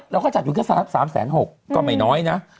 เราก็จัดอยู่แค่๓๖๐๐ก็ไม่น้อยนะ